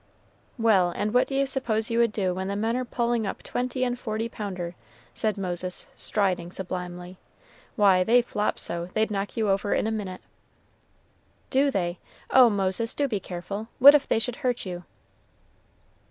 "Well, and what do you suppose you would do when the men are pulling up twenty and forty pounder?" said Moses, striding sublimely. "Why, they flop so, they'd knock you over in a minute." "Do they? Oh, Moses, do be careful. What if they should hurt you?"